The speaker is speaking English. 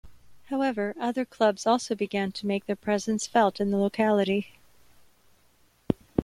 However, other clubs also began to make their presence felt in the locality.